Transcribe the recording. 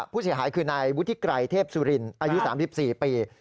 ผู้เสียหายคือนายวุฒิไกรเทพสุรินอายุ๓๔ปี